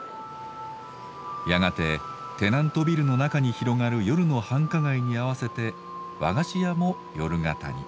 やがてテナントビルの中に広がる夜の繁華街に合わせて和菓子屋も夜型に。